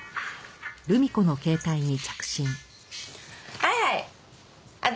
はいはい私。